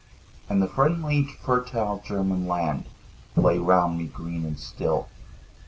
And the friendly fertile German land Lay round me green and still.